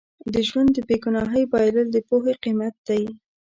د ژوند د بې ګناهۍ بایلل د پوهې قیمت دی.